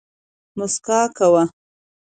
موسکا کوه